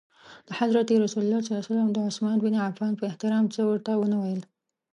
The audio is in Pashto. حضرت رسول ص د عثمان بن عفان په احترام څه ورته ونه ویل.